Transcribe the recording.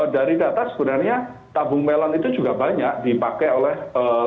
dari data sebenarnya tabung melon itu juga banyak dipakai oleh